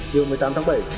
trường một mươi tám tháng bảy